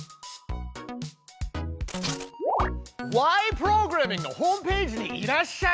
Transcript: プログラミング」のホームページにいらっしゃい。